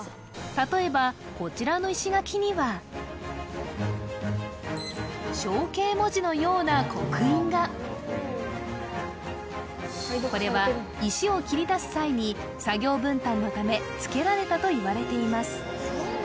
例えばこちらの石垣には象形文字のような刻印がこれは石を切り出す際に作業分担のため付けられたといわれています